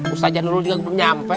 ustaz jangan dulu juga gue udah nyampe